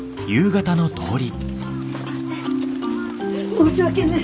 申し訳ねえ。